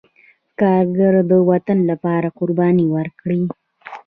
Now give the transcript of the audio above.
کاکړ د وطن لپاره قربانۍ ورکړي.